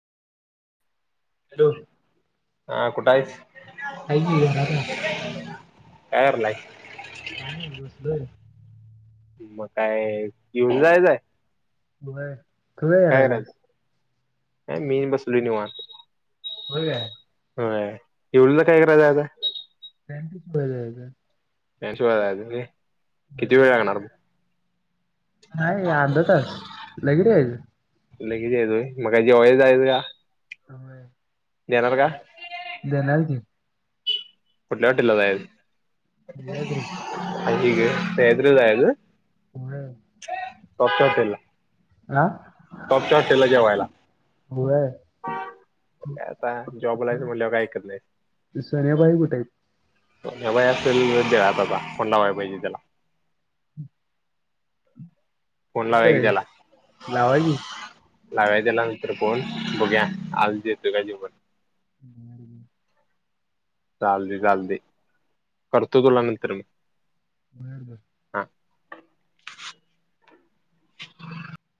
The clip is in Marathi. हॅलो. हा कुठं आहेस आहे की घरात आहे कायर करायला आहे. काय नाही बसलोय. मग काय घेऊन जायचय. म तु काय करायचं करायलास. मी बसल निवन होय काय एवढ काय करायचं आता. [unintelligible] अंशूला जायचंय किती वेळ हम्म. लागणार. नाही अर्ध तास लगन आहेलव लगेच येतोय मग का जेवय जा आहे का. देणार ती. कुठल्या हॉटेल ला जायचय. या तरी हा ठीक आहे सॅड लाजायचं् होय बघतोय त्याला. हा हो करतोय त्याला जेवायला. होय. काय आता जॉबला याय म्हटलं काय ऐकत नाही. सन्याबाई कुठे आहेत. हे असेल आता आता कोंला व्हा पाहिजे त्याला. फोन लावा कुठे की आहे? त्याला. लावा की लागायचं ना नंतर फोन बघूया आज देतोय का जेवण ह. चालते चालते करतो तुला नंतर मग. [unintelligible]